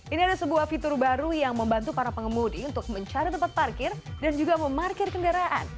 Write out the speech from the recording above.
ini ada sebuah fitur baru yang membantu para pengemudi untuk mencari tempat parkir dan juga memarkir kendaraan